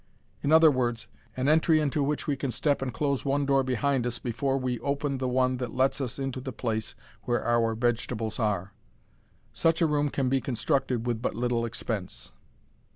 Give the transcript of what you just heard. In other words, an entry into which we can step and close one door behind us before we open the one that lets us into the place where our vegetables are. Such a room can be constructed with but little expense.